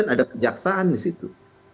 ada kejaksaan disitu